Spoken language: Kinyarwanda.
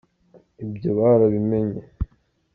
ibyo barabimenye.